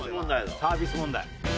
サービス問題。